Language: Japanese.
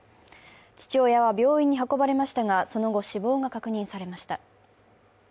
父親は病院に運ばれましたがその後、死亡が確認されました。